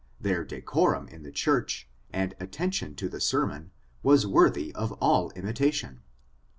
Their decorum in the church, and atten tion to the sermon, was worthy of all imitation.